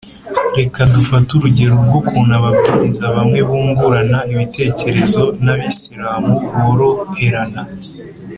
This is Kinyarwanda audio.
Reka dufate urugero rw ukuntu ababwiriza bamwe bungurana ibitekerezo n Abisilamu boroherana